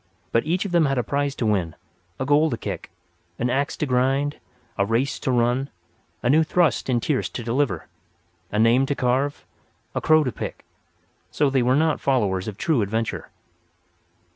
But each of them had a prize to win, a goal to kick, an axe to grind, a race to run, a new thrust in tierce to deliver, a name to carve, a crow to pick—so they were not followers of true adventure.